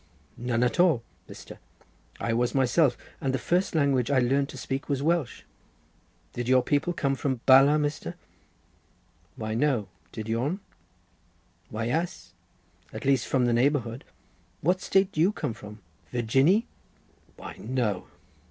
"None at all, Mr.; I was myself, and the first language I learnt to speak was Welsh. Did your people come from Bala, Mr.?" "Why no! Did yourn?" "Why yaas—at least from the neighbourhood. What State do you come from? Virginny?" "Why no!"